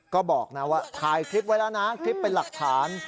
ก็บอกนะว่าถ่ายคลิปไว้แล้วนะคลิปเป็นหลักฐาน